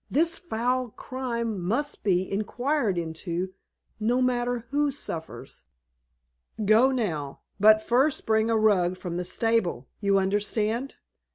This foul crime must be inquired into, no matter who suffers. Go now. But first bring a rug from the stable. You understand?